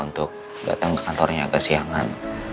untuk datang ke kantornya ke siangan